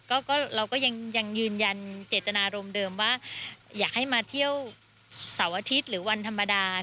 ก็เราก็ยังยืนยันเจตนารมณ์เดิมว่าอยากให้มาเที่ยวเสาร์อาทิตย์หรือวันธรรมดา